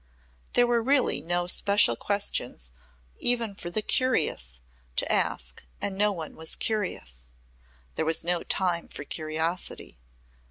There were really no special questions even for the curious to ask and no one was curious. There was no time for curiosity.